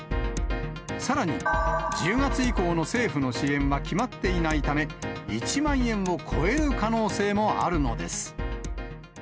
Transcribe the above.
さらに１０月以降の政府の支援は決まっていないため、１万円を超える可能性もあるのです。